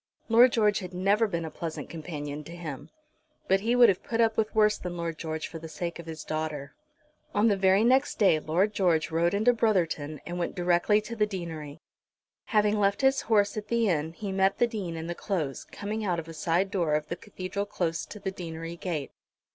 Lord George had never been a pleasant companion to him. But he would have put up with worse than Lord George for the sake of his daughter. On the very next day Lord George rode into Brotherton and went direct to the deanery. Having left his horse at the inn he met the Dean in the Close, coming out of a side door of the Cathedral close to the deanery gate.